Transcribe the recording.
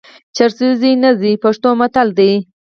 چرسي زوی نه زوی، پښتو متل دئ.